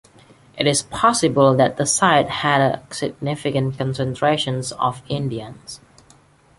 It is possible that the site had a significant concentration of Indians.